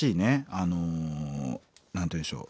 あの何て言うんでしょう